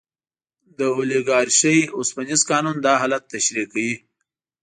د اولیګارشۍ اوسپنیز قانون دا حالت تشریح کوي.